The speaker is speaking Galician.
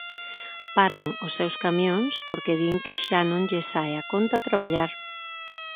Paran os seus camións porque din que xa non lles sae á conta traballar.